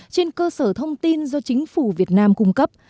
trên cơ sở thông tin do chính phủ việt nam cung cấp